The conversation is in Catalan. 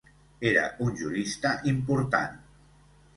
Era un jurista important.